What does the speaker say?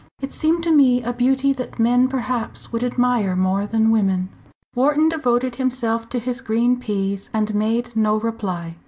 It seemed to me a beauty that men perhaps would admire more than women." Wharton devoted himself to his green peas, and made no reply.